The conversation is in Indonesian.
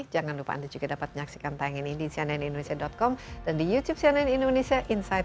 jangan lupa anda juga dapat menyaksikan tayang ini di cnnindonesia com dan di youtube cnn indonesia insight